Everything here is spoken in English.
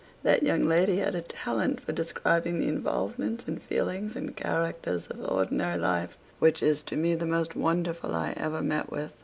That young lady had a talent for describing the involvements and feelings and characters of ordinary life, which is to me the most wonderful I ever met with.